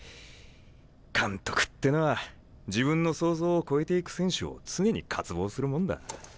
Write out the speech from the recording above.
監督ってのは自分の想像を超えていく選手を常に渇望するもんだ。